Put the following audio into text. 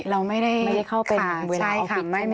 ไม่ได้เข้าไปเวลาออฟฟิศใช่ไหมคะ